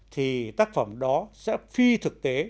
thì tác phẩm đó sẽ phi thực tế